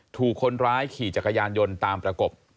ถูกคนร้ายขี่จักรยานยนต์ตามประกบ